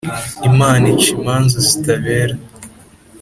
Imana ica imanza zitabera